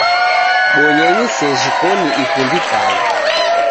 Bonyenyi sejhi koni ikundikane.